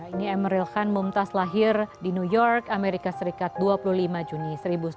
ini emeril khan mumtaz lahir di new york amerika serikat dua puluh lima juni seribu sembilan ratus enam puluh